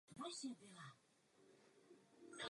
Profesně se uvádí jako chemik.